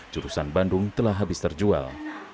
jurusan bandung telah habis terjual